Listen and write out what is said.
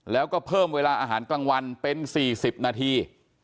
แล้วก็เพิ่มเวลาอาหารกลางวันเป็น๔๐นาที